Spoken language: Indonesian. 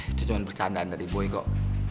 itu cuma bercandaan dari boy kok